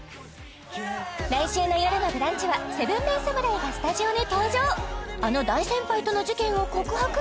来週の「よるのブランチ」は７ＭＥＮ侍がスタジオに登場あの大先輩との事件を告白？